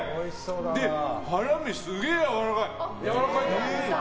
で、ハラミすげえやわらかい。